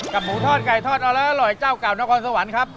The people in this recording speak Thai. กับหมูทอดไก่ทอดเอาแล้วอร่อยเจ้าเก่าน้องความสวรรค์ครับ